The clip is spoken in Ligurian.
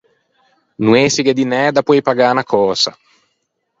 No ësighe dinæ da poei pagâ unna cösa.